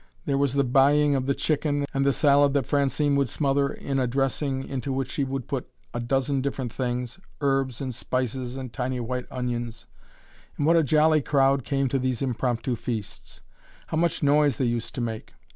There was the buying of the chicken, and the salad that Francine would smother in a dressing into which she would put a dozen different things herbs and spices and tiny white onions! And what a jolly crowd came to these impromptu feasts! How much noise they used to make!